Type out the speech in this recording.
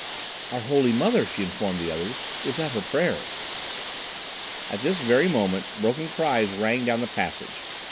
"Our Holy Mother," she informed the others, "is at her prayers." At this very moment broken cries rang down the passage.